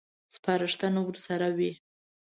سپارښتنه ورسره وي.